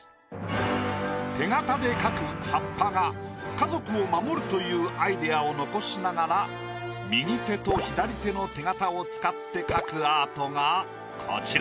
手形で描く葉っぱが家族を守るというアイディアを残しながら右手と左手の手形を使って描くアートがこちら。